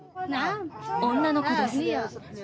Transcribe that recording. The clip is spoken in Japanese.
女の子です。